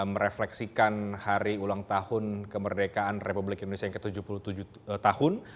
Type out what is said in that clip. merefleksikan hari ulang tahun kemerdekaan republik indonesia yang ke tujuh puluh tujuh tahun